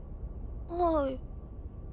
はい。